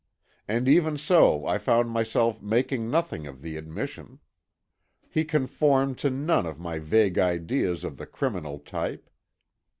And even so I found myself making nothing of the admission. He conformed to none of my vague ideas of the criminal type.